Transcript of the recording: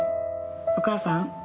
お母さん？